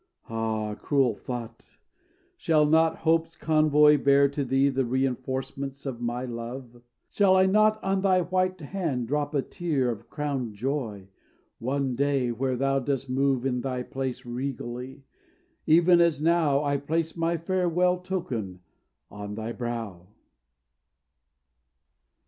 Ah, cruel thought! Shall not Hope's convoy bear To thee the reinforcements of my love? Shall I not on thy white hand drop a tear Of crowned joy, one day, where thou dost move In thy place regally; even as now I place my farewell token on thy brow?